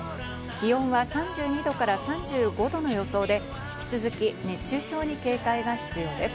気温は３２度から３５度の予想で、引き続き熱中症に警戒が必要です。